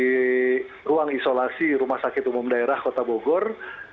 di ruang isolasi rumah sakit umum daerah kota bogor